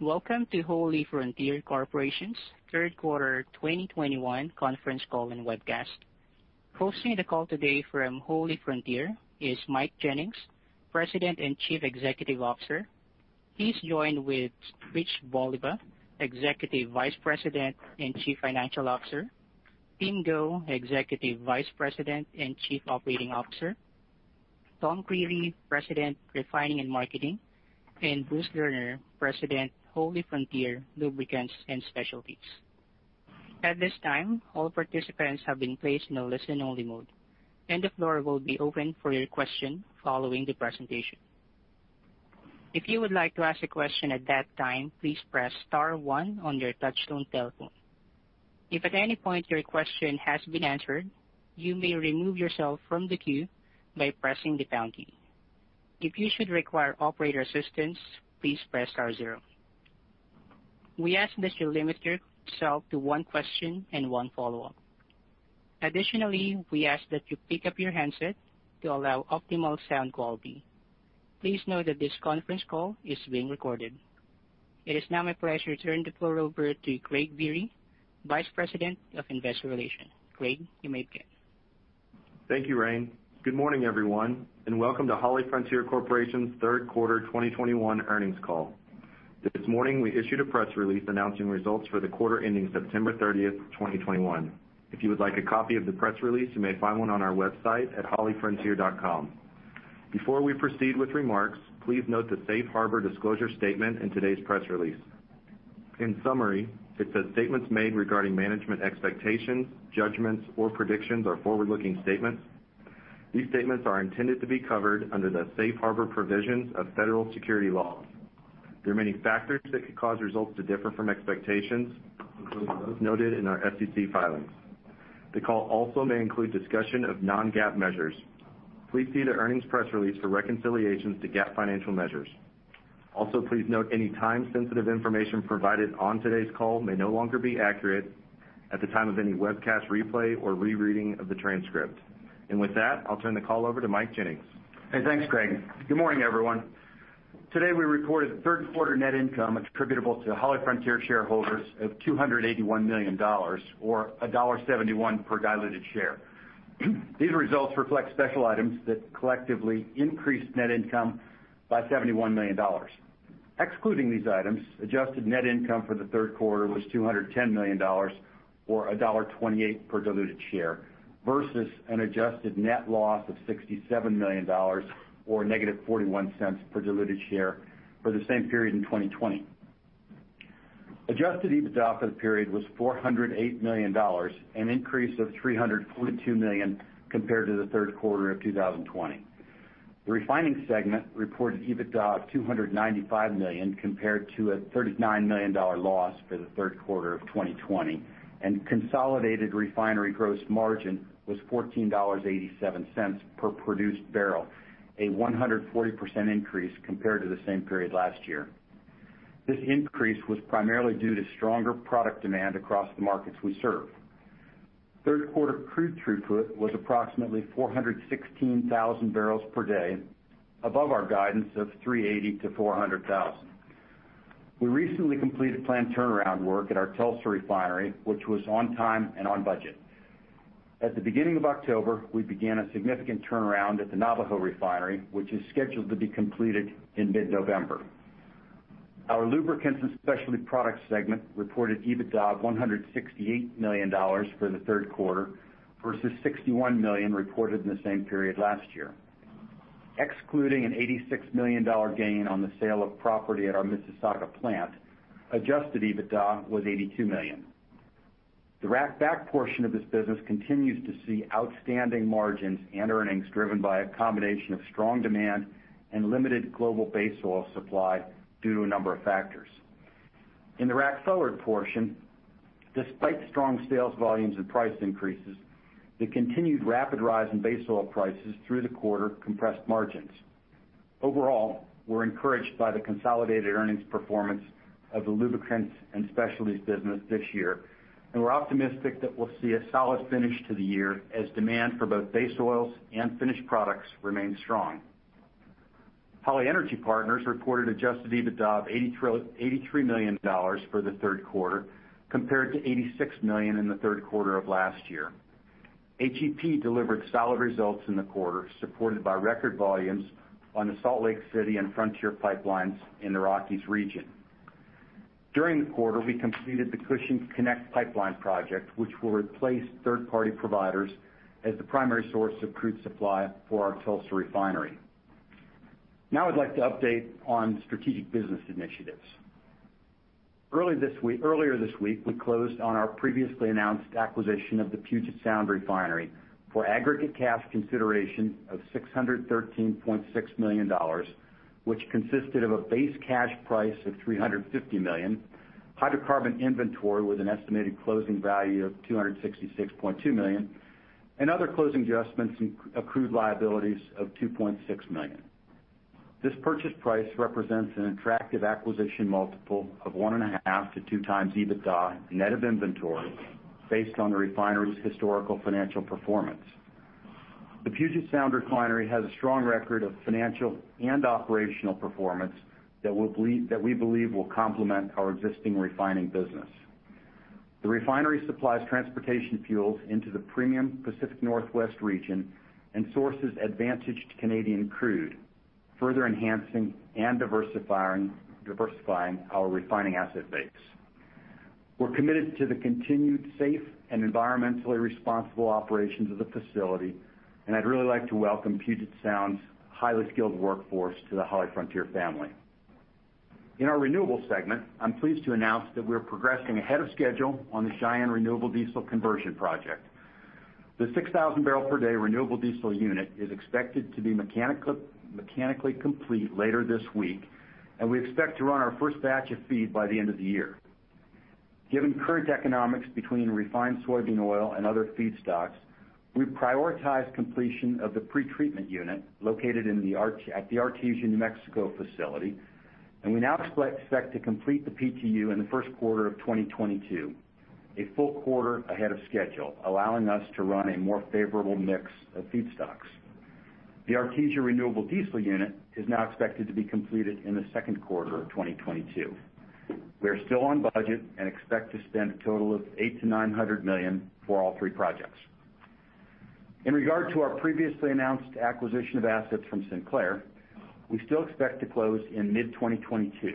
Welcome to HollyFrontier Corporation's Third Quarter 2021 Conference Call and Webcast. Hosting the call today from HollyFrontier is Mike Jennings, President and Chief Executive Officer. He's joined with Rich Voliva, Executive Vice President and Chief Financial Officer, Tim Go, Executive Vice President and Chief Operating Officer, Tom Creery, President, Refining and Marketing, and Bruce Lerner, President, HollyFrontier Lubricants & Specialties. At this time, all participants have been placed in a listen-only mode, and the floor will be open for your question following the presentation. If you would like to ask a question at that time, please press star one on your touchtone telephone. If at any point your question has been answered, you may remove yourself from the queue by pressing the pound key. If you should require operator assistance, please press star zero. We ask that you limit yourself to one question and one follow-up. Additionally, we ask that you pick up your handset to allow optimal sound quality. Please note that this conference call is being recorded. It is now my pleasure to turn the floor over to Craig Biery, Vice President of Investor Relations. Craig, you may begin. Thank you, Rain. Good morning, everyone, and welcome to HollyFrontier Corporation's Third Quarter 2021 Earnings Call. This morning, we issued a press release announcing results for the quarter ending September 30th, 2021. If you would like a copy of the press release, you may find one on our website at hollyfrontier.com. Before we proceed with remarks, please note the safe harbor disclosure statement in today's press release. In summary, it says, "Statements made regarding management expectations, judgments, or predictions are forward-looking statements. These statements are intended to be covered under the safe harbor provisions of federal securities laws. There are many factors that could cause results to differ from expectations, including those noted in our SEC filings. The call also may include discussion of non-GAAP measures. Please see the earnings press release for reconciliations to GAAP financial measures. Also, please note any time-sensitive information provided on today's call may no longer be accurate at the time of any webcast replay or rereading of the transcript. With that, I'll turn the call over to Mike Jennings. Hey, thanks, Craig. Good morning, everyone. Today, we reported third quarter net income attributable to HollyFrontier shareholders of $281 million or $1.71 per diluted share. These results reflect special items that collectively increased net income by $71 million. Excluding these items, adjusted net income for the third quarter was $210 million or $1.28 per diluted share versus an adjusted net loss of $67 million or -$0.41 per diluted share for the same period in 2020. Adjusted EBITDA for the period was $408 million, an increase of $342 million compared to the third quarter of 2020. The refining segment reported EBITDA of $295 million compared to a $39 million loss for the third quarter of 2020, and consolidated refinery gross margin was $14.87 per produced barrel, a 140% increase compared to the same period last year. This increase was primarily due to stronger product demand across the markets we serve. Third quarter crude throughput was approximately 416,000bpd above our guidance of 380,000-400,000. We recently completed planned turnaround work at our Tulsa refinery, which was on time and on budget. At the beginning of October, we began a significant turnaround at the Navajo Refinery, which is scheduled to be completed in mid-November. Our lubricants and specialty product segment reported EBITDA of $168 million for the third quarter versus $61 million reported in the same period last year. Excluding an $86 million gain on the sale of property at our Mississauga plant, Adjusted EBITDA was $82 million. The rack back portion of this business continues to see outstanding margins and earnings driven by a combination of strong demand and limited global base oil supply due to a number of factors. In the rack forward portion, despite strong sales volumes and price increases, the continued rapid rise in base oil prices through the quarter compressed margins. Overall, we're encouraged by the consolidated earnings performance of the lubricants and specialties business this year, and we're optimistic that we'll see a solid finish to the year as demand for both base oils and finished products remains strong. Holly Energy Partners reported Adjusted EBITDA of $83 million for the third quarter compared to $86 million in the third quarter of last year. HEP delivered solid results in the quarter, supported by record volumes on the Salt Lake City and Frontier pipelines in the Rockies region. During the quarter, we completed the Cushing Connect Pipeline project, which will replace third-party providers as the primary source of crude supply for our Tulsa refinery. Now, I'd like to update on strategic business initiatives. Earlier this week, we closed on our previously announced acquisition of the Puget Sound Refinery for aggregate cash consideration of $613.6 million, which consisted of a base cash price of $350 million, hydrocarbon inventory with an estimated closing value of $266.2 million, and other closing adjustments and accrued liabilities of $2.6 million. This purchase price represents an attractive acquisition multiple of 1.5x-2x EBITDA net of inventory based on the refinery's historical financial performance. The Puget Sound Refinery has a strong record of financial and operational performance that we believe will complement our existing refining business. The refinery supplies transportation fuels into the premium Pacific Northwest region and sources advantaged Canadian crude, further enhancing and diversifying our refining asset base. We're committed to the continued safe and environmentally responsible operations of the facility, and I'd really like to welcome Puget Sound's highly skilled workforce to the HollyFrontier family. In our renewables segment, I'm pleased to announce that we are progressing ahead of schedule on the Cheyenne Renewable Diesel conversion project. The 6,000bpd renewable diesel unit is expected to be mechanically complete later this week, and we expect to run our first batch of feed by the end of the year. Given current economics between refined soybean oil and other feedstocks, we prioritize completion of the pretreatment unit located at the Artesia, New Mexico facility, and we now expect to complete the PTU in the first quarter of 2022, a full quarter ahead of schedule, allowing us to run a more favorable mix of feedstocks. The Artesia renewable diesel unit is now expected to be completed in the second quarter of 2022. We are still on budget and expect to spend a total of $800 million-$900 million for all three projects. In regard to our previously announced acquisition of assets from Sinclair, we still expect to close in mid-2022,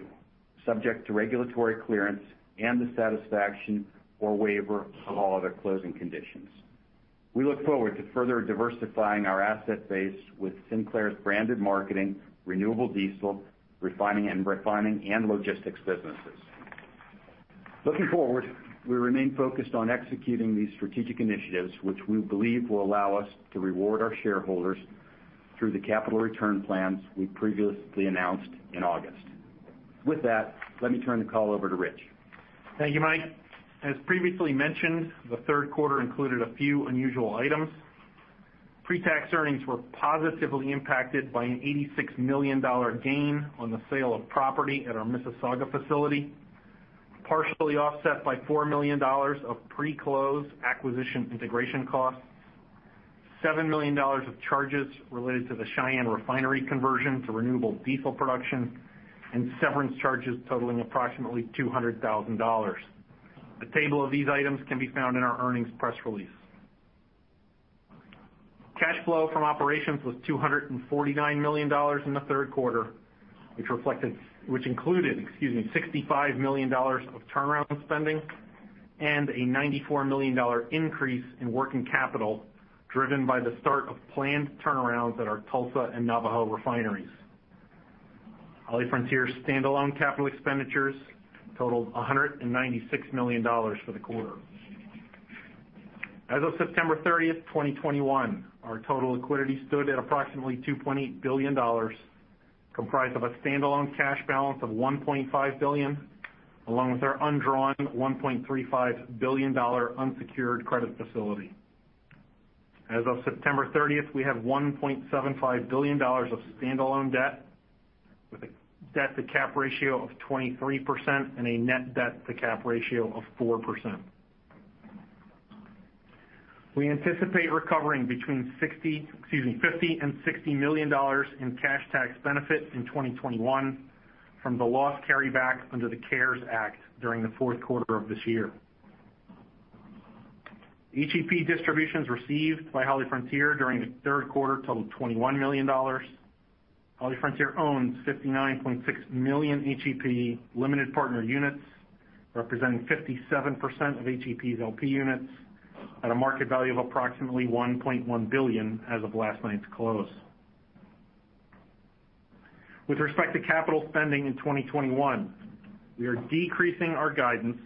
subject to regulatory clearance and the satisfaction or waiver of all other closing conditions. We look forward to further diversifying our asset base with Sinclair's branded marketing, renewable diesel, refining and logistics businesses. Looking forward, we remain focused on executing these strategic initiatives, which we believe will allow us to reward our shareholders through the capital return plans we previously announced in August. With that, let me turn the call over to Rich. Thank you, Mike. As previously mentioned, the third quarter included a few unusual items. Pre-tax earnings were positively impacted by an $86 million gain on the sale of property at our Mississauga facility, partially offset by $4 million of pre-close acquisition integration costs, $7 million of charges related to the Cheyenne Refinery conversion to renewable diesel production, and severance charges totaling approximately $200,000. A table of these items can be found in our earnings press release. Cash flow from operations was $249 million in the third quarter, which included, excuse me, $65 million of turnaround spending and a $94 million increase in working capital, driven by the start of planned turnarounds at our Tulsa and Navajo Refineries. HollyFrontier standalone capital expenditures totaled $196 million for the quarter. As of September 30th, 2021, our total liquidity stood at approximately $2.8 billion, comprised of a standalone cash balance of $1.5 billion, along with our undrawn $1.35 billion unsecured credit facility. As of September 30th, we have $1.75 billion of standalone debt with a debt-to-cap ratio of 23% and a net debt-to-cap ratio of 4%. We anticipate recovering between $50 million-$60 million in cash tax benefits in 2021 from the loss carryback under the CARES Act during the fourth quarter of this year. HEP distributions received by HollyFrontier during the third quarter totaled $21 million. HollyFrontier owns 59.6 million HEP limited partner units, representing 57% of HEP's LP units at a market value of approximately $1.1 billion as of last night's close. With respect to capital spending in 2021, we are decreasing our guidance,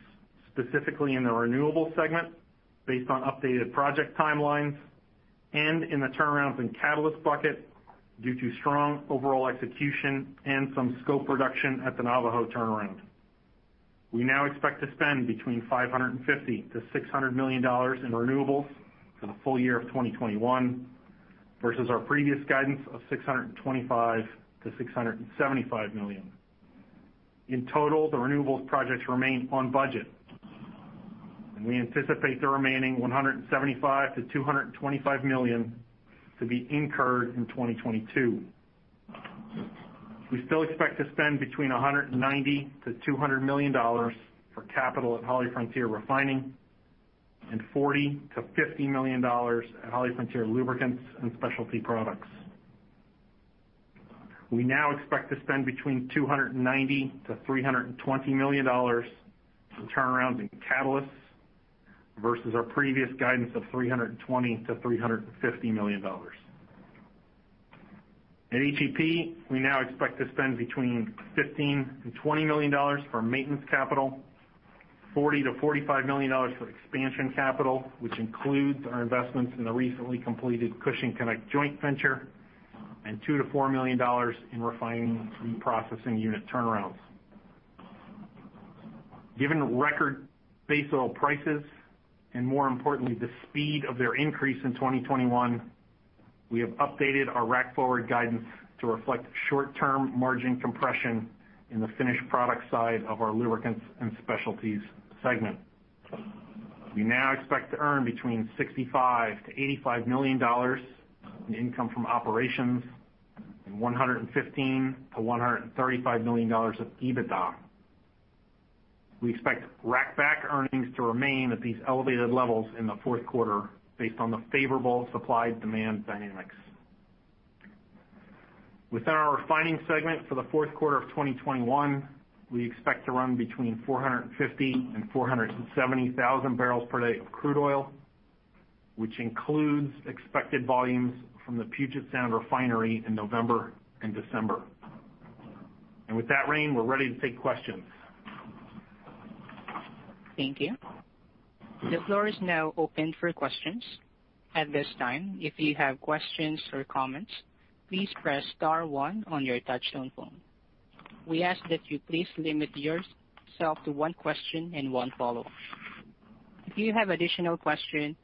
specifically in the renewables segment, based on updated project timelines and in the turnarounds and catalyst bucket due to strong overall execution and some scope reduction at the Navajo turnaround. We now expect to spend between $550 million-$600 million in renewables for the full year of 2021 versus our previous guidance of $625 million-$675 million. In total, the renewables projects remain on budget, and we anticipate the remaining $175 million-$225 million to be incurred in 2022. We still expect to spend between $190 million-$200 million for capital at HollyFrontier Refining and $40 million-$50 million at HollyFrontier Lubricants and Specialty Products. We now expect to spend between $290 million-$320 million in turnarounds and catalysts versus our previous guidance of $320 million-$350 million. At HEP, we now expect to spend between $15 million and $20 million for maintenance capital, $40 million-$45 million for expansion capital, which includes our investments in the recently completed Cushing Connect joint venture, and $2 million-$4 million in refining the processing unit turnarounds. Given record base oil prices and more importantly, the speed of their increase in 2021, we have updated our rack forward guidance to reflect short-term margin compression in the finished product side of our lubricants and specialties segment. We now expect to earn between $65 million-$85 million in income from operations and $115 million-$135 million of EBITDA. We expect rack back earnings to remain at these elevated levels in the fourth quarter based on the favorable supply-demand dynamics. Within our refining segment for the fourth quarter of 2021, we expect to run between 450,000bpd-470,000bpd of crude oil, which includes expected volumes from the Puget Sound Refinery in November and December. With that, Raine, we're ready to take questions. Thank you. The floor is now open for questions. At this time, if you have questions or comments, please press star one on your touchtone phone. We ask that you please limit yourself to one question and one follow-up. If you have additional question,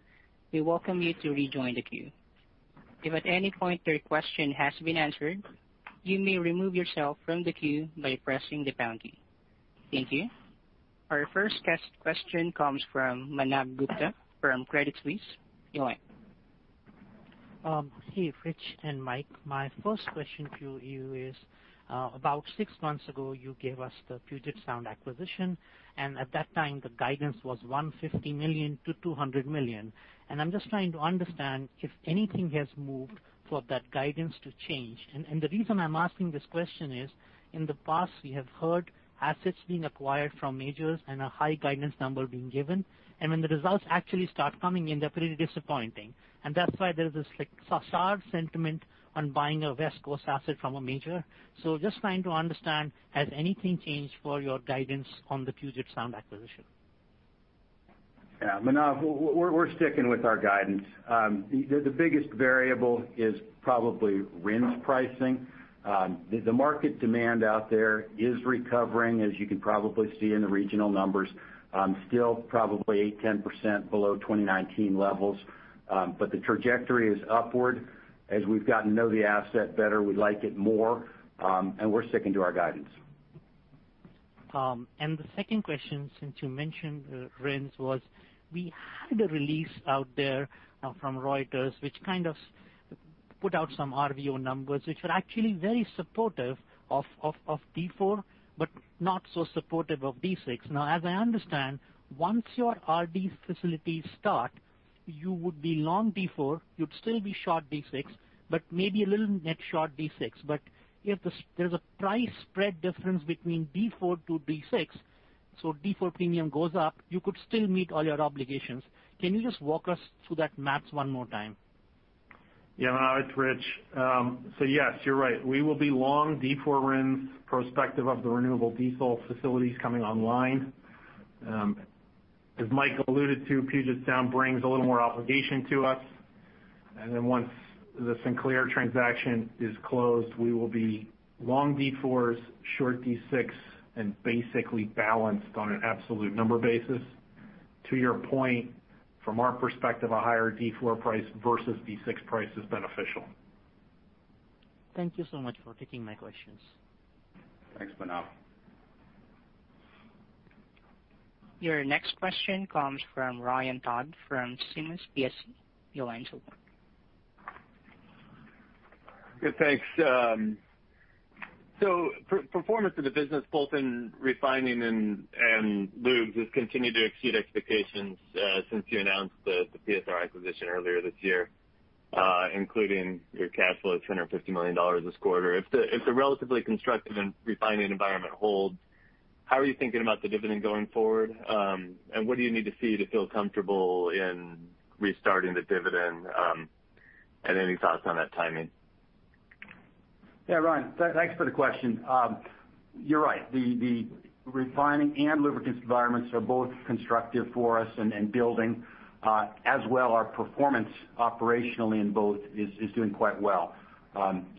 we welcome you to rejoin the queue. If at any point your question has been answered, you may remove yourself from the queue by pressing the pound key. Thank you. Our first question comes from Manav Gupta from Credit Suisse. Your line. Hey, Rich and Mike. My first question to you is about six months ago, you gave us the Puget Sound acquisition, and at that time, the guidance was $150 million-$200 million. I'm just trying to understand if anything has moved for that guidance to change. The reason I'm asking this question is, in the past, we have heard assets being acquired from majors and a high guidance number being given. When the results actually start coming in, they're pretty disappointing. That's why there's this like sour sentiment on buying a West Coast asset from a major. Just trying to understand, has anything changed for your guidance on the Puget Sound acquisition? Yeah, Manav, we're sticking with our guidance. The biggest variable is probably RINs pricing. The market demand out there is recovering, as you can probably see in the regional numbers, still probably 8%-10% below 2019 levels. The trajectory is upward. As we've gotten to know the asset better, we like it more, and we're sticking to our guidance. The second question, since you mentioned RINs, was we had a release out there from Reuters, which kind of put out some RVO numbers, which were actually very supportive of D4, but not so supportive of D6. Now, as I understand, once your RD facilities start, you would be long D4, you'd still be short D6, but maybe a little net short D6. But if there's a price spread difference between D4 to D6, so D4 premium goes up, you could still meet all your obligations. Can you just walk us through that math one more time? Yeah, Manav. It's Rich. Yes, you're right. We will be long D4 RINs prospective of the renewable diesel facilities coming online. As Mike alluded to, Puget Sound brings a little more obligation to us. Once the Sinclair transaction is closed, we will be long D4s, short D6, and basically balanced on an absolute number basis. To your point, from our perspective, a higher D4 price versus D6 price is beneficial. Thank you so much for taking my questions. Thanks, Manav. Your next question comes from Ryan Todd from Piper Sandler. Your line's open. Good. Thanks. Performance of the business, both in refining and lubes, has continued to exceed expectations since you announced the PSR acquisition earlier this year, including your cash flow of $10 million or $50 million this quarter. If the relatively constructive refining environment holds, how are you thinking about the dividend going forward? What do you need to see to feel comfortable in restarting the dividend? Any thoughts on that timing? Yeah, Ryan, thanks for the question. You're right. The refining and lubricants environments are both constructive for us and building. As well, our performance operationally in both is doing quite well.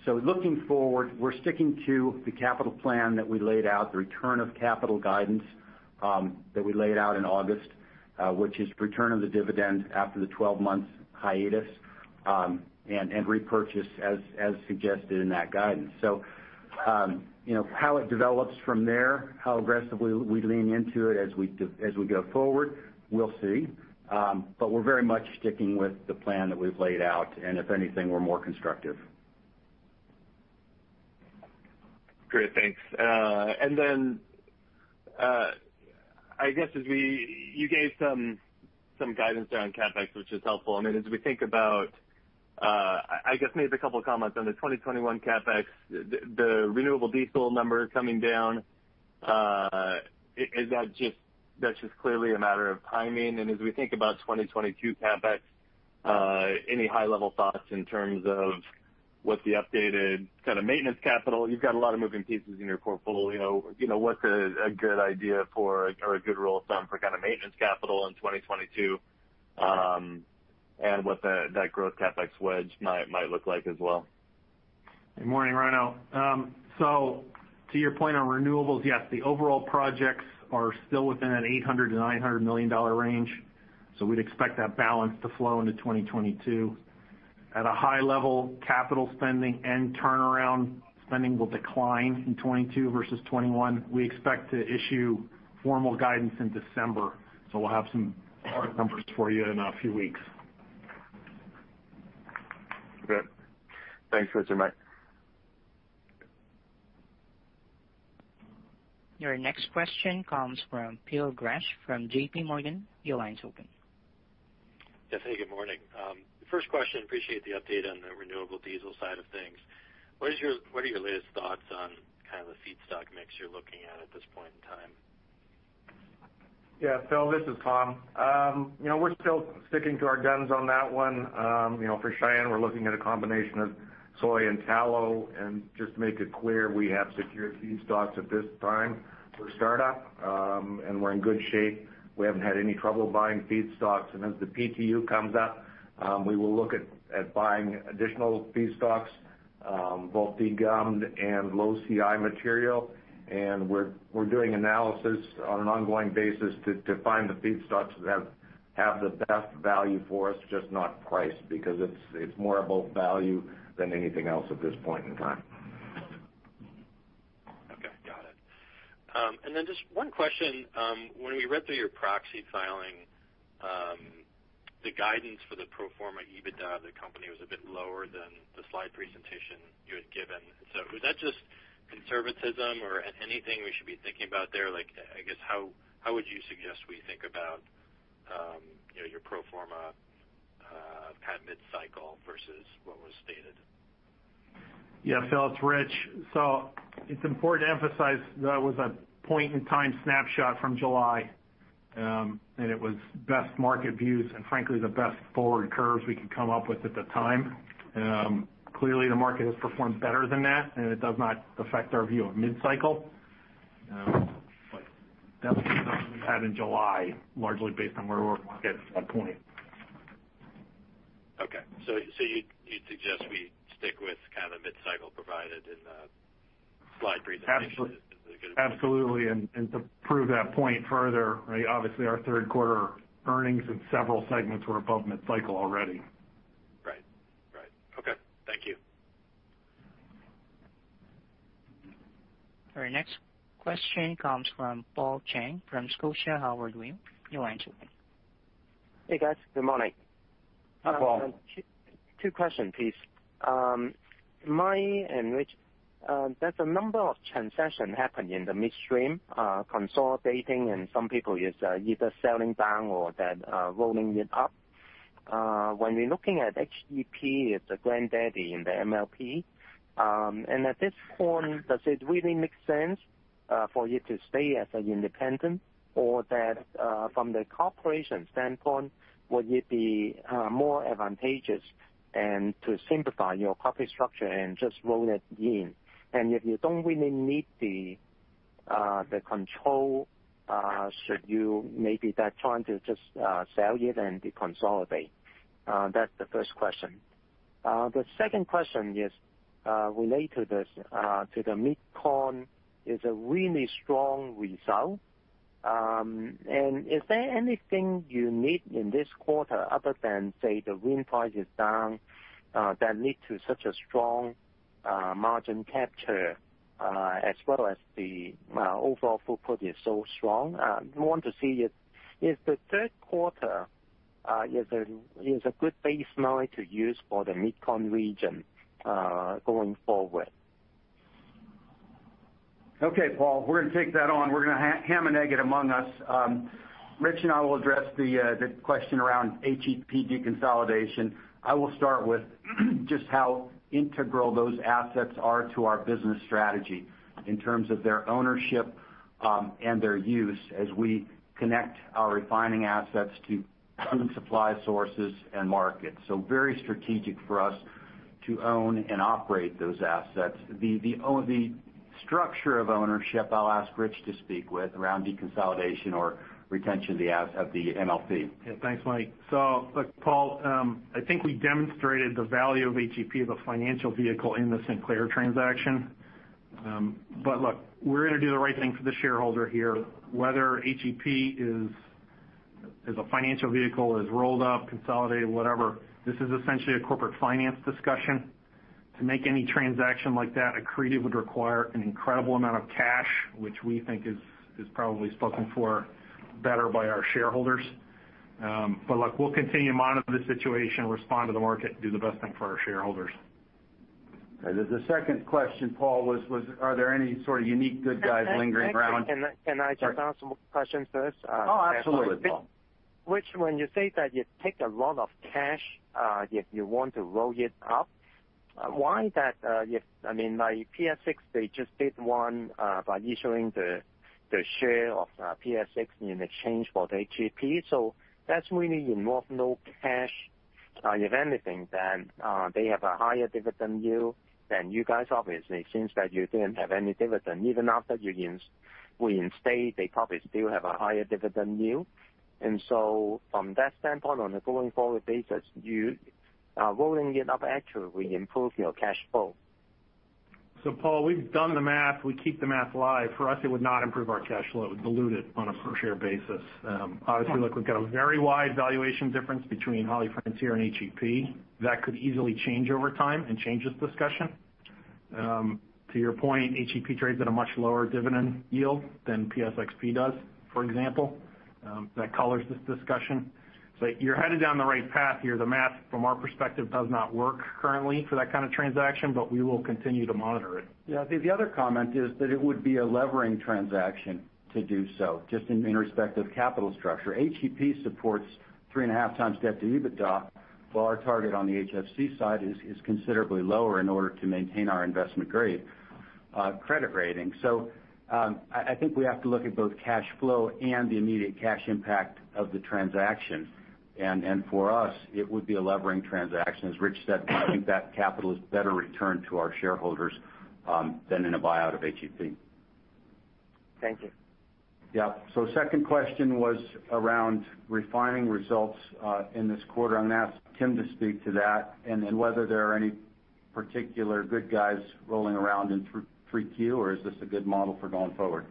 Looking forward, we're sticking to the capital plan that we laid out, the return of capital guidance, that we laid out in August, which is return of the dividend after the 12-month hiatus, and repurchase as suggested in that guidance. You know, how it develops from there, how aggressively we lean into it as we go forward, we'll see. We're very much sticking with the plan that we've laid out, and if anything, we're more constructive. Great. Thanks. You gave some guidance there on CapEx, which is helpful. I mean, as we think about, I guess maybe a couple of comments on the 2021 CapEx, the renewable diesel number coming down, is that just that's just clearly a matter of timing? As we think about 2022 CapEx, any high-level thoughts in terms of what the updated kind of maintenance capital? You've got a lot of moving pieces in your portfolio. You know, what's a good idea for or a good rule of thumb for kind of maintenance capital in 2022, and that growth CapEx wedge might look like as well? Good morning, Ryan. To your point on renewables, yes, the overall projects are still within an $800 million-$900 million range. We'd expect that balance to flow into 2022. At a high level, capital spending and turnaround spending will decline in 2022 versus 2021. We expect to issue formal guidance in December, so we'll have some hard numbers for you in a few weeks. Great. Thanks, Rich and Mike. Your next question comes from Phil Gresh from J.P. Morgan. Your line's open. Yeah. Hey, good morning. First question, appreciate the update on the renewable diesel side of things. What are your latest thoughts on kind of the feedstock mix you're looking at at this point in time? Yeah, Phil, this is Tom. You know, we're still sticking to our guns on that one. You know, for Cheyenne, we're looking at a combination of soy and tallow. Just to make it clear, we have secured feedstocks at this time for startup, and we're in good shape. We haven't had any trouble buying feedstocks. As the PTU comes up, we will look at buying additional feedstocks, both degummed and low CI material. We're doing analysis on an ongoing basis to find the feedstocks that have the best value for us, it's not just price, because it's more about value than anything else at this point in time. Okay. Got it. Then just one question. When we read through your proxy filing, the guidance for the pro forma EBITDA of the company was a bit lower than the slide presentation you had given. Was that just conservatism or anything we should be thinking about there? Like, I guess, how would you suggest we think about, you know, your pro forma at mid-cycle versus what was stated? Yeah. Phil, it's Rich. It's important to emphasize that was a point in time snapshot from July, and it was best market views and frankly, the best forward curves we could come up with at the time. Clearly, the market has performed better than that, and it does not affect our view of mid-cycle. That's the assumption we had in July, largely based on where the oil market was at that point. Okay. You'd suggest we stick with kind of mid-cycle provided in the slide presentation. Absolutely. To prove that point further, right, obviously our third quarter earnings in several segments were above mid-cycle already. Right. Okay. Thank you. Our next question comes from Paul Cheng from Scotia Howard Weil. Your line is open. Hey, guys. Good morning. Hi, Paul. Two questions, please. Mike and Rich, there's a number of transactions happening in the midstream, consolidating and some people is either selling down or rolling it up. When you're looking at HEP as a granddaddy in the MLP, and at this point, does it really make sense for you to stay as an independent? Or, from the corporation standpoint, would it be more advantageous to simplify your profit structure and just roll it in? And if you don't really need the control, should you maybe it's time to just sell it and deconsolidate? That's the first question. The second question is related to this, to the MidCon. It's a really strong result. is there anything you need in this quarter other than, say, the WTI is down, that lead to such a strong margin capture, as well as the overall throughput is so strong? I want to see if the third quarter is a good base now to use for the MidCon region going forward? Okay, Paul, we're gonna take that on. We're gonna hammer it out among us. Rich and I will address the question around HEP deconsolidation. I will start with just how integral those assets are to our business strategy in terms of their ownership, and their use as we connect our refining assets to current supply sources and markets. Very strategic for us to own and operate those assets. The structure of ownership, I'll ask Rich to speak with around deconsolidation or retention of the MLP. Yeah. Thanks, Mike. Look, Paul, I think we demonstrated the value of HEP as a financial vehicle in the Sinclair transaction. But look, we're gonna do the right thing for the shareholder here. Whether HEP is a financial vehicle, is rolled up, consolidated, whatever, this is essentially a corporate finance discussion. To make any transaction like that accretive would require an incredible amount of cash, which we think is probably spoken for better by our shareholders. Look, we'll continue to monitor the situation, respond to the market, do the best thing for our shareholders. The second question, Paul, was are there any sort of unique good buys lingering around? Actually, can I just ask some questions first? Oh, absolutely, Paul. Rich, when you say that you take a lot of cash, if you want to roll it up, why that, I mean, like, PSX, they just did one by issuing the share of PSX in exchange for the HEP. So that's really involve no cash. If anything, then, they have a higher dividend yield than you guys, obviously, since that you didn't have any dividend. Even after you increase your stake, they probably still have a higher dividend yield. From that standpoint, on a going forward basis, you rolling it up actually improve your cash flow. Paul, we've done the math, we keep the math live. For us, it would not improve our cash flow. It would dilute it on a per-share basis. Obviously, look, we've got a very wide valuation difference between HollyFrontier and HEP. That could easily change over time and change this discussion. To your point, HEP trades at a much lower dividend yield than PSXP does, for example, that colors this discussion. You're headed down the right path here. The math, from our perspective, does not work currently for that kind of transaction, but we will continue to monitor it. Yeah. I think the other comment is that it would be a levering transaction to do so, just in respect of capital structure. HEP supports 3.5x debt to EBITDA, while our target on the HFC side is considerably lower in order to maintain our investment-grade credit rating. I think we have to look at both cash flow and the immediate cash impact of the transaction. For us, it would be a levering transaction, as Rich said. I think that capital is better returned to our shareholders than in a buyout of HEP. Thank you. Yeah. Second question was around refining results in this quarter. I'm gonna ask Tim to speak to that, and then whether there are any particular good things rolling around in 3Q, or is this a good model for going forward?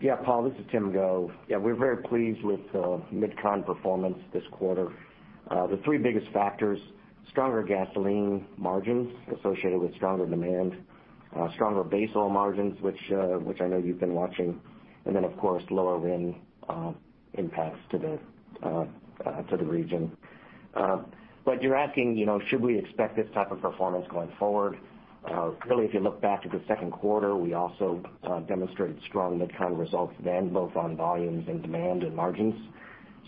Yeah, Paul, this is Tim Go. We're very pleased with MidCon performance this quarter. The three biggest factors, stronger gasoline margins associated with stronger demand, stronger base oil margins, which I know you've been watching, and then, of course, lower RIN impacts to the region. You're asking, you know, should we expect this type of performance going forward? Really, if you look back at the second quarter, we also demonstrated strong MidCon results then, both on volumes and demand and margins.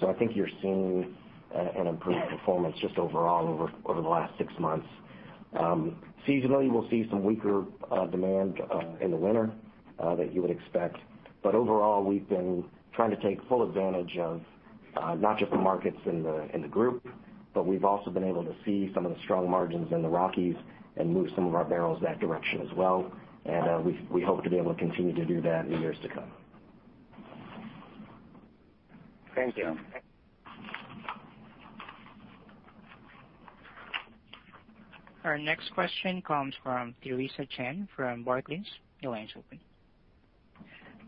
I think you're seeing an improved performance just overall over the last six months. Seasonally, we'll see some weaker demand in the winter that you would expect. Overall, we've been trying to take full advantage of not just the markets in the group, but we've also been able to see some of the strong margins in the Rockies and move some of our barrels that direction as well. We hope to be able to continue to do that in years to come. Thank you. Yeah. Our next question comes from Theresa Chen from Barclays. Your line is open.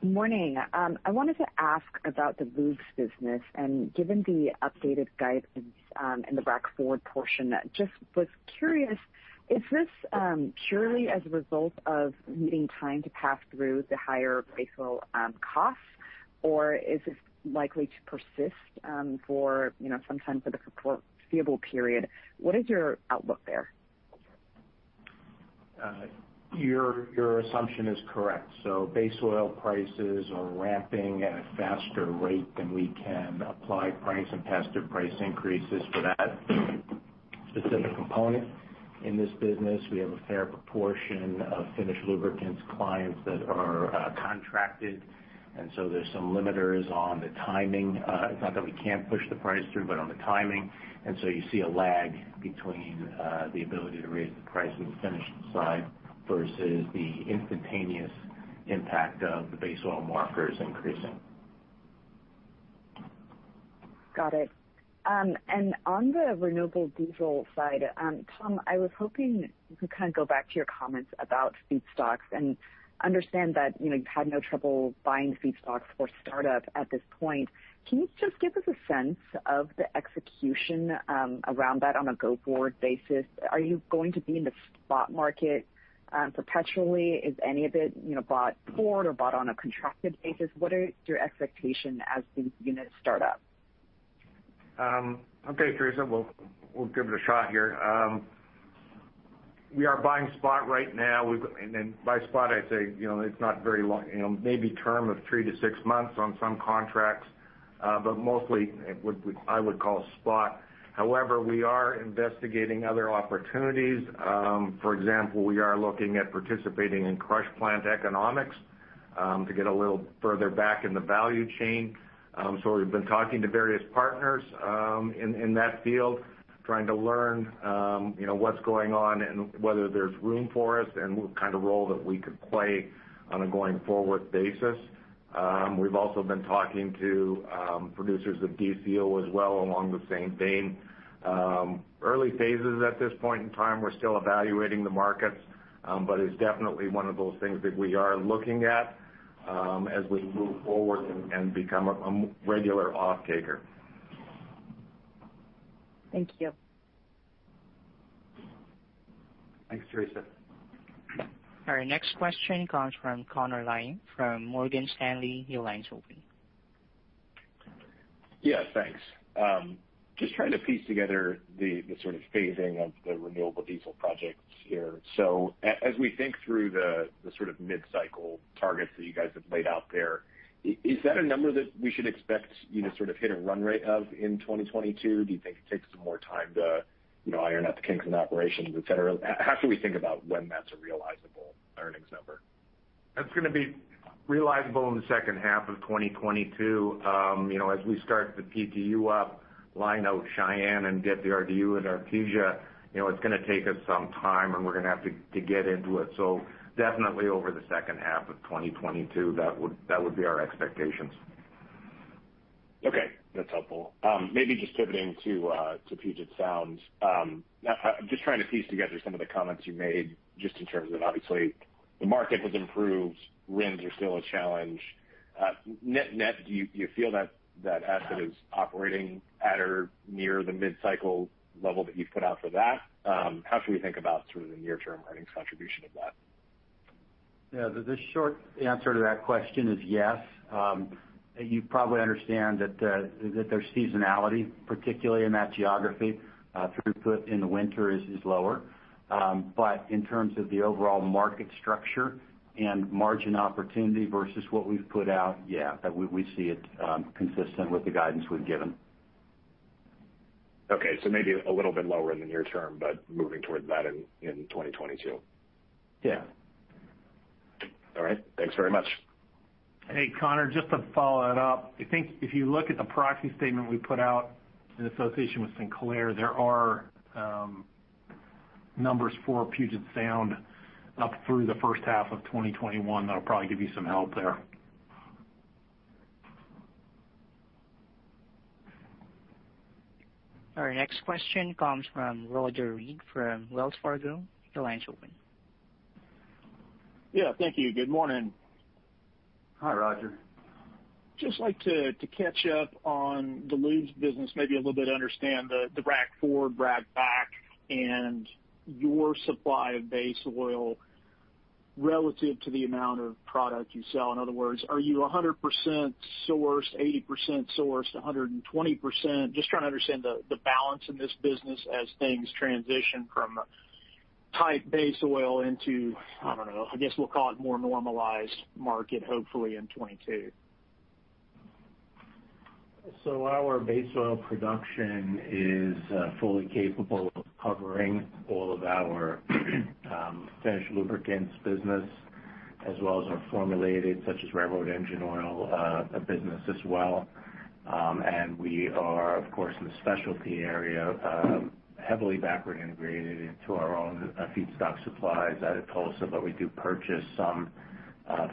Morning. I wanted to ask about the lubes business, and given the updated guidance, and the rack forward portion, just was curious, is this purely as a result of needing time to pass through the higher base oil costs, or is this likely to persist for, you know, some time for the foreseeable period? What is your outlook there? Your assumption is correct. Base oil prices are ramping at a faster rate than we can apply price and pass through price increases for that specific component. In this business, we have a fair proportion of finished lubricants clients that are contracted, and so there's some limiters on the timing. It's not that we can't push the price through, but on the timing. You see a lag between the ability to raise the price on the finished side versus the instantaneous impact of the base oil markets increasing. Got it. On the renewable diesel side, Tom, I was hoping you could kind of go back to your comments about feedstocks and understand that, you know, you've had no trouble buying feedstocks for startup at this point. Can you just give us a sense of the execution, around that on a go-forward basis? Are you going to be in the spot market, perpetually? Is any of it, you know, bought forward or bought on a contracted basis? What is your expectation as these units start up? Okay, Theresa, we'll give it a shot here. We are buying spot right now. By spot, I'd say, you know, it's not very long, you know, maybe term of 3-6 months on some contracts, but mostly it would be, I would call spot. However, we are investigating other opportunities. For example, we are looking at participating in crush plant economics, to get a little further back in the value chain. We've been talking to various partners, in that field, trying to learn, you know, what's going on and whether there's room for us and what kind of role that we could play on a going forward basis. We've also been talking to producers of DCO as well along the same vein. Early phases at this point in time, we're still evaluating the markets, but it's definitely one of those things that we are looking at, as we move forward and become a regular off-taker. Thank you. Thanks, Theresa. Our next question comes from Connor Lynagh from Morgan Stanley. Your line is open. Yes, thanks. Just trying to piece together the sort of phasing of the renewable diesel projects here. As we think through the sort of mid-cycle targets that you guys have laid out there, is that a number that we should expect, you know, sort of hit a run rate of in 2022? Do you think it takes some more time to, you know, iron out the kinks in operations, et cetera? How should we think about when that's a realizable earnings number? That's gonna be realizable in the second half of 2022. You know, as we start the PTU up, line out Cheyenne and get the RDU and Artesia, you know, it's gonna take us some time, and we're gonna have to get into it. Definitely over the second half of 2022, that would be our expectations. Okay, that's helpful. Maybe just pivoting to Puget Sound. I'm just trying to piece together some of the comments you made just in terms of obviously the market was improved. RINs are still a challenge. Net-net, do you feel that that asset is operating at or near the mid-cycle level that you've put out for that? How should we think about sort of the near-term earnings contribution of that? Yeah. The short answer to that question is yes. You probably understand that there's seasonality, particularly in that geography, throughput in the winter is lower. But in terms of the overall market structure and margin opportunity versus what we've put out, yeah, we see it consistent with the guidance we've given. Okay. Maybe a little bit lower in the near term, but moving towards that in 2022. Yeah. All right. Thanks very much. Hey, Connor, just to follow that up, I think if you look at the proxy statement we put out in association with Sinclair, there are numbers for Puget Sound up through the first half of 2021 that'll probably give you some help there. All right. Next question comes from Roger Read from Wells Fargo. Your line's open. Yeah, thank you. Good morning. Hi, Roger. Just like to catch up on the lubes business, maybe a little bit understand the rack forward, rack back and your supply of base oil relative to the amount of product you sell. In other words, are you 100% sourced, 80% sourced, 120%? Just trying to understand the balance in this business as things transition from tight base oil into, I don't know, I guess we'll call it more normalized market, hopefully in 2022. Our base oil production is fully capable of covering all of our finished lubricants business as well as our formulated such as railroad engine oil business as well. We are, of course, in the specialty area heavily backward integrated into our own feedstock supplies out of Tulsa, but we do purchase some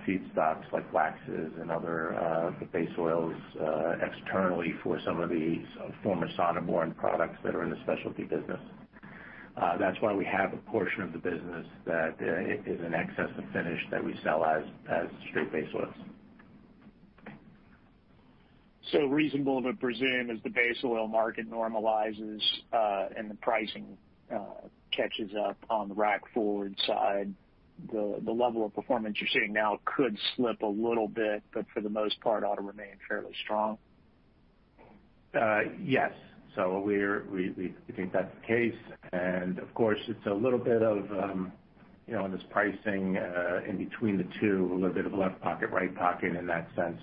feedstocks like waxes and other base oils externally for some of the former Sonneborn products that are in the specialty business. That's why we have a portion of the business that is in excess of finished that we sell as straight base oils. Reasonable to presume as the base oil market normalizes, and the pricing catches up on the rack forward side, the level of performance you're seeing now could slip a little bit, but for the most part, ought to remain fairly strong? Yes. We think that's the case. Of course, it's a little bit of, you know, in this pricing, in between the two, a little bit of left pocket, right pocket in that sense.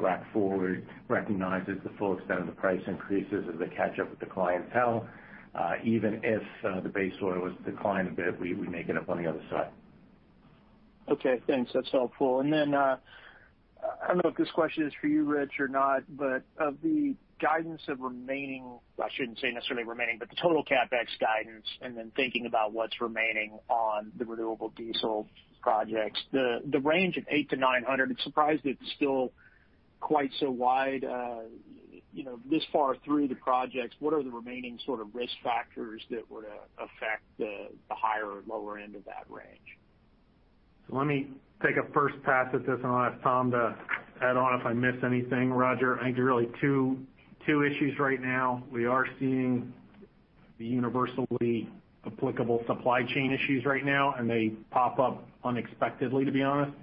Rack forward recognizes the full extent of the price increases as they catch up with the clientele, even if the base oil was declined a bit, we make it up on the other side. Okay, thanks. That's helpful. I don't know if this question is for you, Rich, or not, but of the guidance of remaining, I shouldn't say necessarily remaining, but the total CapEx guidance, and then thinking about what's remaining on the renewable diesel projects, the range of $800-$900, I'm surprised it's still quite so wide, you know, this far through the projects. What are the remaining sort of risk factors that would affect the higher or lower end of that range? Let me take a first pass at this, and I'll ask Tom to add on if I miss anything, Roger. I think there are really two issues right now. We are seeing the universally applicable supply chain issues right now, and they pop up unexpectedly, to be honest.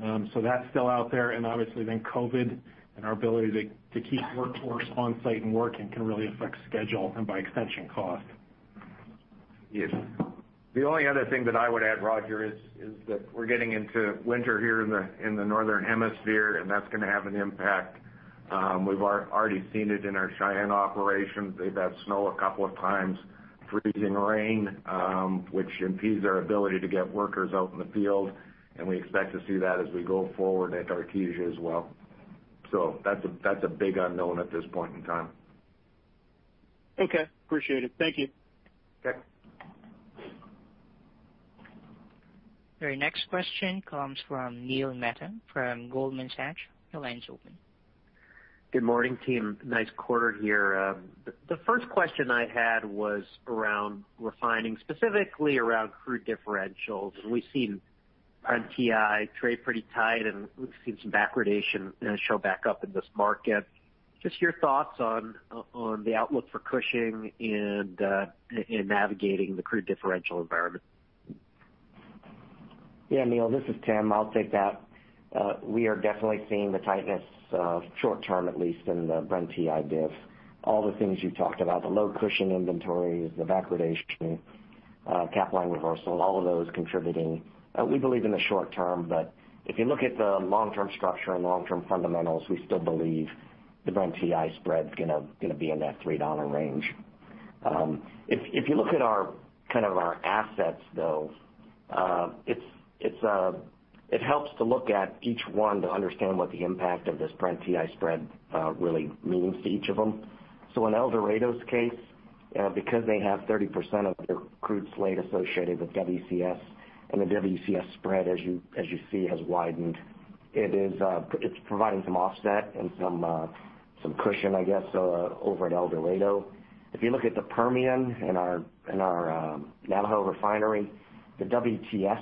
That's still out there. Obviously then COVID and our ability to keep workforce on site and working can really affect schedule and by extension cost. Yes. The only other thing that I would add, Roger, is that we're getting into winter here in the Northern Hemisphere, and that's gonna have an impact. We've already seen it in our Cheyenne operations. They've had snow a couple of times, freezing rain, which impedes our ability to get workers out in the field. We expect to see that as we go forward at Artesia as well. That's a big unknown at this point in time. Okay. Appreciate it. Thank you. Okay. Your next question comes from Neil Mehta from Goldman Sachs. Your line's open. Good morning, team. Nice quarter here. The first question I had was around refining, specifically around crude differentials. We've seen Brent-TI trade pretty tight, and we've seen some backwardation show back up in this market. Just your thoughts on the outlook for Cushing and navigating the crude differential environment. Yeah, Neil, this is Tim. I'll take that. We are definitely seeing the tightness, short term at least in the Brent-TI diff. All the things you talked about, the low cushion inventories, the backwardation, Capline reversal, all of those contributing, we believe in the short term. But if you look at the long-term structure and long-term fundamentals, we still believe the Brent-TI spread's gonna be in that $3 range. If you look at our kind of our assets, though, it's it helps to look at each one to understand what the impact of this Brent-TI spread really means to each of them. So in El Dorado's case- Because they have 30% of their crude slate associated with WCS, and the WCS spread, as you see, has widened. It's providing some offset and some cushion, I guess, over at El Dorado. If you look at the Permian and our Navajo refinery, the WTS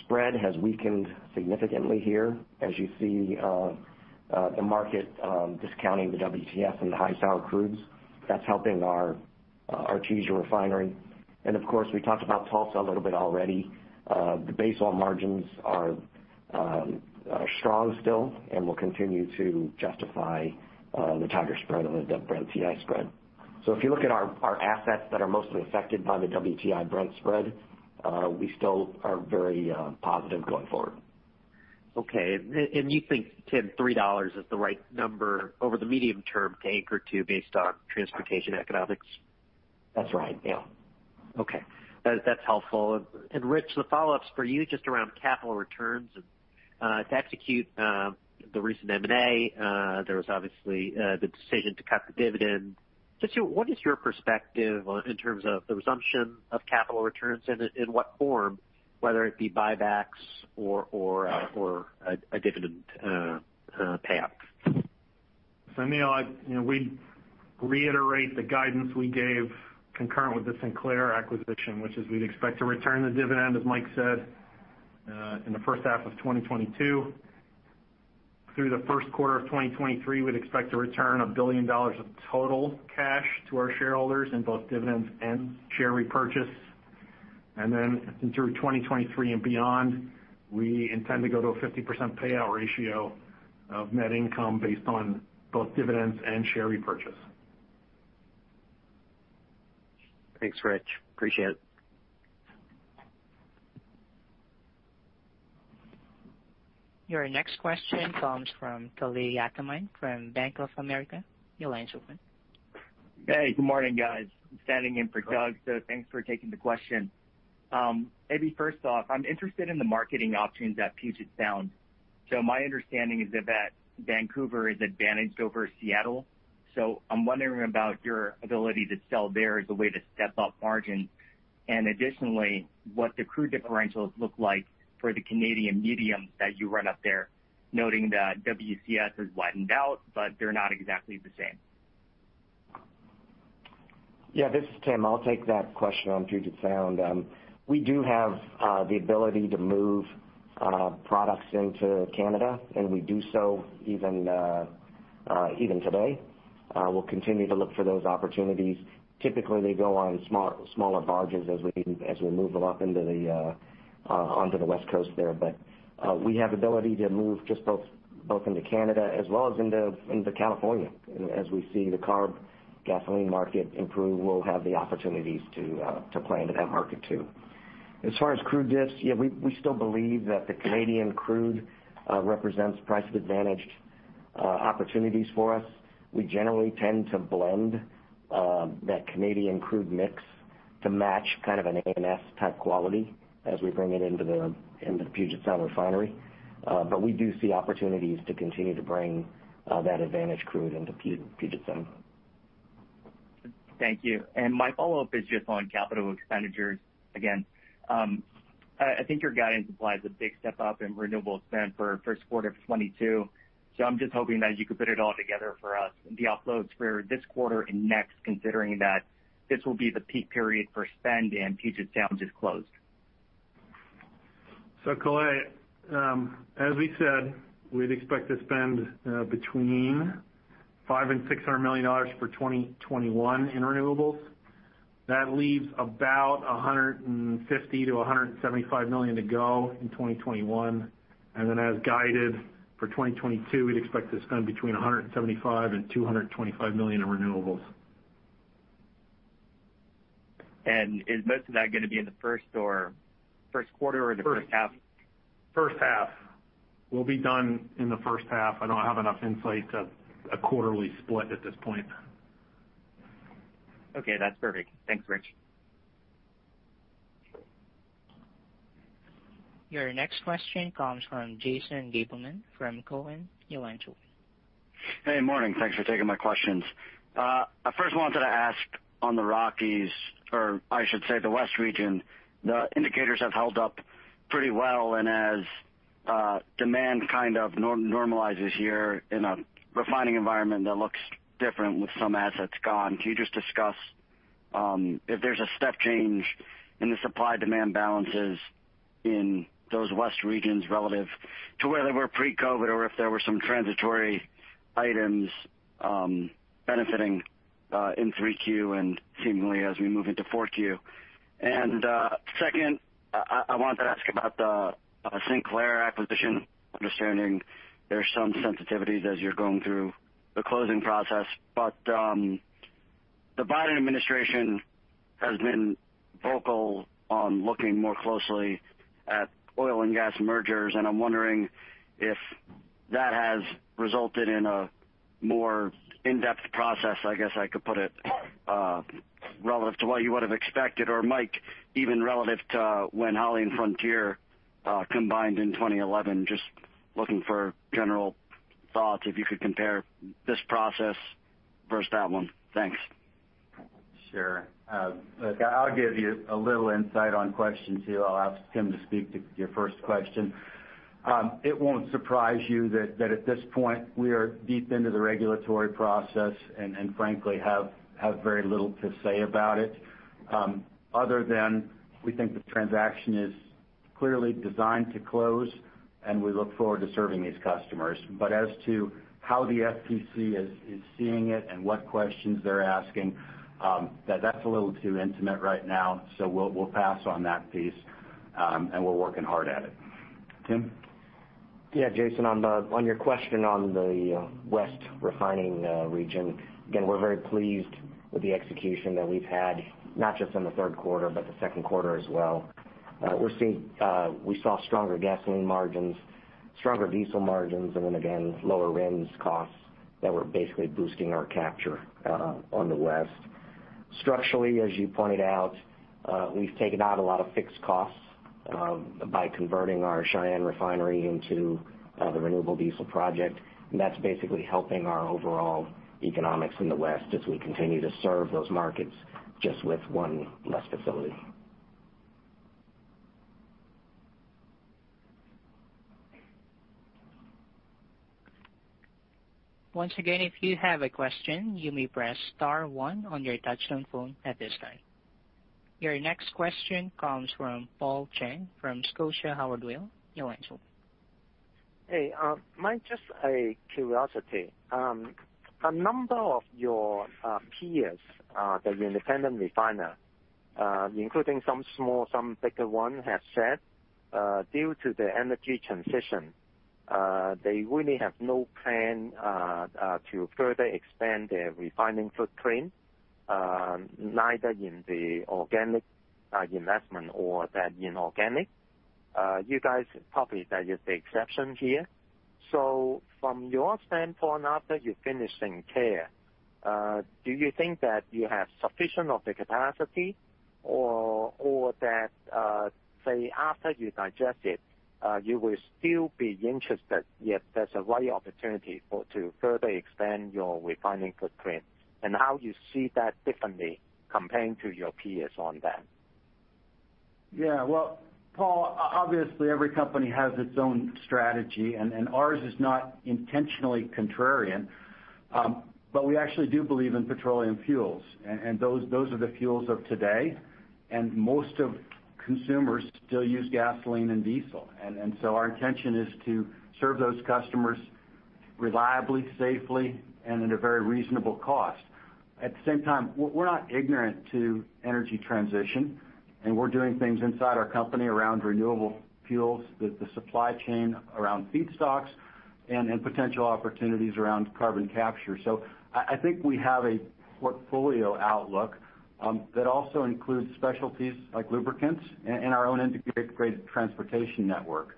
spread has weakened significantly here as you see, the market discounting the WTS and the high sour crudes. That's helping our Artesia refinery. Of course, we talked about Tulsa a little bit already. The base oil margins are strong still and will continue to justify the tighter spread or the Brent TI spread. If you look at our assets that are mostly affected by the WTI Brent spread, we still are very positive going forward. Okay. You think, Tim, $3 is the right number over the medium term to anchor to based on transportation economics? That's right. Yeah. Okay. That's helpful. Rich, the follow-up's for you, just around capital returns. To execute the recent M&A, there was obviously the decision to cut the dividend. What is your perspective on, in terms of the resumption of capital returns, in what form, whether it be buybacks or a dividend payout? Neil, you know, we reiterate the guidance we gave concurrent with the Sinclair acquisition, which is we'd expect to return the dividend, as Mike said, in the first half of 2022. Through the first quarter of 2023, we'd expect to return $1 billion of total cash to our shareholders in both dividends and share repurchase. Then through 2023 and beyond, we intend to go to a 50% payout ratio of net income based on both dividends and share repurchase. Thanks, Rich. Appreciate it. Your next question comes from Kalei Akamine from Bank of America. Your line's open. Hey, good morning, guys. I'm standing in for Doug, so thanks for taking the question. Maybe first off, I'm interested in the marketing options at Puget Sound. My understanding is that Vancouver is advantaged over Seattle, so I'm wondering about your ability to sell there as a way to step up margins. Additionally, what the crude differentials look like for the Canadian medium that you run up there, noting that WCS has widened out, but they're not exactly the same. Yeah, this is Tim. I'll take that question on Puget Sound. We do have the ability to move products into Canada, and we do so even today. We'll continue to look for those opportunities. Typically, they go on smaller barges as we move them up onto the West Coast there. We have ability to move both into Canada as well as into California. As we see the CARB gasoline market improve, we'll have the opportunities to play into that market too. As far as crude diffs, yeah, we still believe that the Canadian crude represents price advantaged opportunities for us. We generally tend to blend that Canadian crude mix to match kind of an ANS type quality as we bring it into the Puget Sound Refinery. We do see opportunities to continue to bring that advantaged crude into Puget Sound. Thank you. My follow-up is just on capital expenditures again. I think your guidance implies a big step-up in renewable spend for first quarter of 2022. I'm just hoping that you could put it all together for us, the outlays for this quarter and next, considering that this will be the peak period for spend and Puget Sound is closed. Kalei, as we said, we'd expect to spend between $500 million-$600 million for 2021 in renewables. That leaves about $150 million-$175 million to go in 2021. As guided, for 2022, we'd expect to spend between $175 million-$225 million in renewables. Is most of that gonna be in the first quarter or the first half? First half. We'll be done in the first half. I don't have enough insight to a quarterly split at this point. Okay, that's perfect. Thanks, Rich. Your next question comes from Jason Gabelman from Cowen. Your line's open. Morning. Thanks for taking my questions. I first wanted to ask on the Rockies, or I should say the West region. The indicators have held up pretty well, and as demand kind of normalizes here in a refining environment that looks different with some assets gone, can you just discuss if there's a step change in the supply-demand balances in those west regions relative to where they were pre-COVID, or if there were some transitory items benefiting in 3Q and seemingly as we move into 4Q? Second, I wanted to ask about the Sinclair acquisition. Understanding there's some sensitivities as you're going through the closing process. The Biden administration has been vocal on looking more closely at oil and gas mergers, and I'm wondering if that has resulted in a more in-depth process, I guess I could put it, relative to what you would have expected, or Mike, even relative to when Holly and Frontier combined in 2011. Just looking for general Thoughts if you could compare this process versus that one. Thanks. Sure. Look, I'll give you a little insight on question two. I'll ask Tim to speak to your first question. It won't surprise you that at this point, we are deep into the regulatory process and frankly have very little to say about it, other than we think the transaction is clearly designed to close, and we look forward to serving these customers. As to how the FTC is seeing it and what questions they're asking, that's a little too intimate right now, so we'll pass on that piece, and we're working hard at it. Tim? Yeah, Jason, your question on the West refining region, again, we're very pleased with the execution that we've had, not just in the third quarter, but the second quarter as well. We're seeing, we saw stronger gasoline margins, stronger diesel margins, and then again, lower RINs costs that were basically boosting our capture on the West. Structurally, as you pointed out, we've taken out a lot of fixed costs by converting our Cheyenne refinery into the renewable diesel project, and that's basically helping our overall economics in the West as we continue to serve those markets just with one less facility. Once again, if you have a question, you may press star one on your touchtone phone at this time. Your next question comes from Paul Cheng from Scotiabank Howard Weil. Your line is open. Hey, just a curiosity. A number of your peers, the independent refiner, including some small, some bigger ones have said, due to the energy transition, they really have no plan to further expand their refining footprint, neither in the organic investment or the inorganic. You guys probably are just the exception here. From your standpoint, after you're finishing care, do you think that you have sufficient of the capacity or that, say, after you digest it, you will still be interested if there's a right opportunity to further expand your refining footprint and how you see that differently comparing to your peers on that? Yeah. Well, Paul, obviously, every company has its own strategy, and ours is not intentionally contrarian. But we actually do believe in petroleum fuels, and those are the fuels of today, and most consumers still use gasoline and diesel. Our intention is to serve those customers reliably, safely, and at a very reasonable cost. At the same time, we're not ignorant to energy transition, and we're doing things inside our company around renewable fuels, the supply chain around feedstocks and in potential opportunities around carbon capture. I think we have a portfolio outlook that also includes specialties like lubricants and our own integrated transportation network.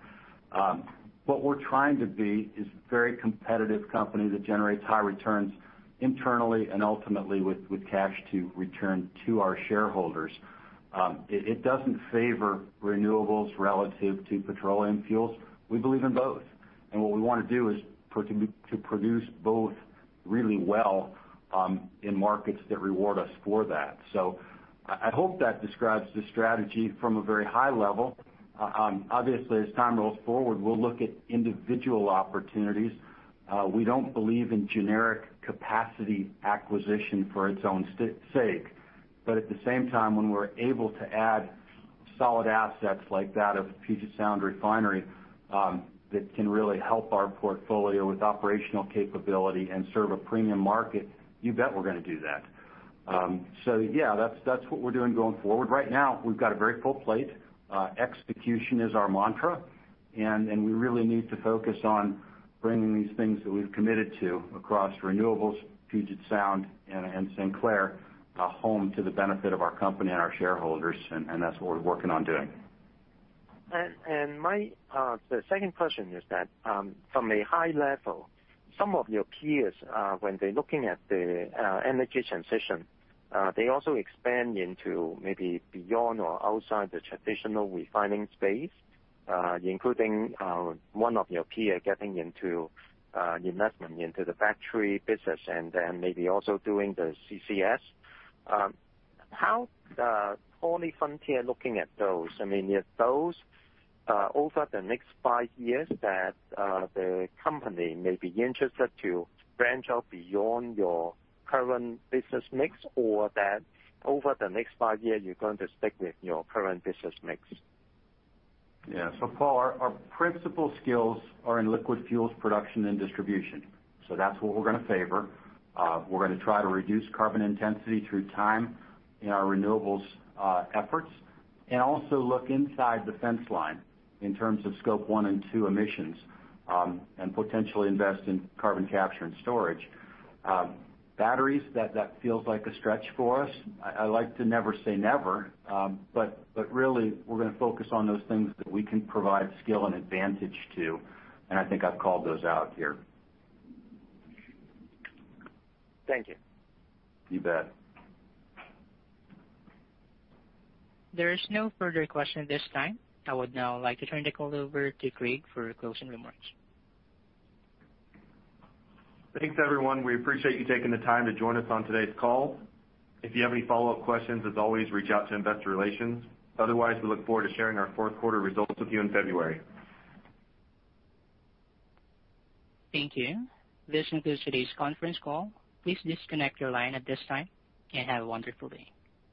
What we're trying to be is very competitive company that generates high returns internally and ultimately with cash to return to our shareholders. It doesn't favor renewables relative to petroleum fuels. We believe in both. What we wanna do is to produce both really well in markets that reward us for that. I hope that describes the strategy from a very high level. Obviously, as time rolls forward, we'll look at individual opportunities. We don't believe in generic capacity acquisition for its own sake. At the same time, when we're able to add solid assets like that of Puget Sound Refinery, that can really help our portfolio with operational capability and serve a premium market, you bet we're gonna do that. Yeah, that's what we're doing going forward. Right now, we've got a very full plate. Execution is our mantra, and we really need to focus on bringing these things that we've committed to across renewables, Puget Sound, and Sinclair home to the benefit of our company and our shareholders, and that's what we're working on doing. My second question is that from a high level, some of your peers when they're looking at the energy transition, they also expand into maybe beyond or outside the traditional refining space, including one of your peer getting into investment into the factory business and then maybe also doing the CCS. How HollyFrontier looking at those? I mean, if those over the next five years that the company may be interested to branch out beyond your current business mix or that over the next five years, you're going to stick with your current business mix. Yeah. Paul, our principal skills are in liquid fuels production and distribution. That's what we're gonna favor. We're gonna try to reduce carbon intensity through time in our renewables efforts, and also look inside the fence line in terms of Scope 1 and 2 emissions, and potentially invest in carbon capture and storage. Batteries, that feels like a stretch for us. I like to never say never, but really we're gonna focus on those things that we can provide skill and advantage to, and I think I've called those out here. Thank you. You bet. There is no further question at this time. I would now like to turn the call over to Craig for closing remarks. Thanks, everyone. We appreciate you taking the time to join us on today's call. If you have any follow-up questions, as always, reach out to Investor Relations. Otherwise, we look forward to sharing our fourth quarter results with you in February. Thank you. This concludes today's conference call. Please disconnect your line at this time, and have a wonderful day.